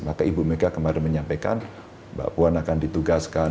maka ibu mega kemarin menyampaikan mbak puan akan ditugaskan